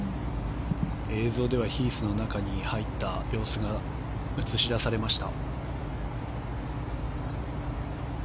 映像ではヒースの中に入った様子が映し出されました。